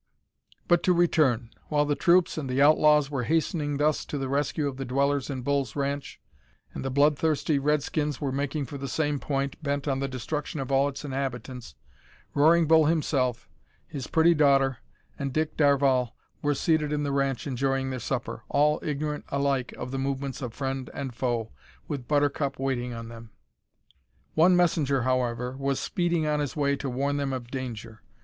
But to return. While the troops and the outlaws were hastening thus to the rescue of the dwellers in Bull's ranch, and the blood thirsty Redskins were making for the same point, bent on the destruction of all its inhabitants, Roaring Bull himself, his pretty daughter, and Dick Darvall, were seated in the ranch enjoying their supper, all ignorant alike of the movements of friend and foe, with Buttercup waiting on them. One messenger, however, was speeding on his way to warn them of danger.